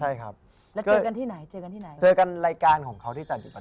อยู่แล้ว